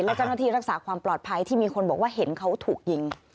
และเจ้าหน้าที่รักษาความปลอดภัยที่มีคนบอกว่าเห็นเขาถูกยิง